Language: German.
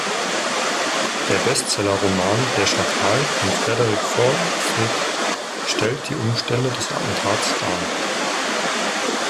Der Bestseller-Roman "Der Schakal" von Frederick Forsyth stellt die Umstände des Attentats dar.